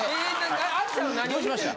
どうしました？